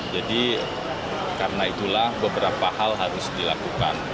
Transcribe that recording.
jadi karena itulah beberapa hal harus dilakukan